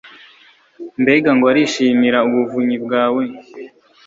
mbega ngo arishimira ubuvunyi bwawe